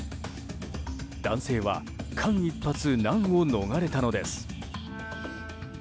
男性は間一髪難を逃れたのです。